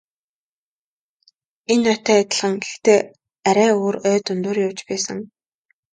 Энэ ойтой адилхан гэхдээ арай өөр ой дундуур явж байсан.